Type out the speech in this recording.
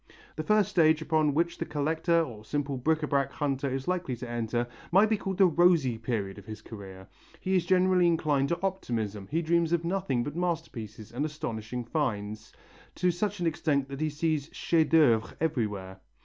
The first stage upon which the collector or simple bric à brac hunter is likely to enter might be called the rosy period of his career. He is generally inclined to optimism, he dreams of nothing but masterpieces and astonishing finds, to such an extent that he sees chefs d'œuvre everywhere.